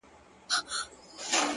• مخ ځيني واړوه ته،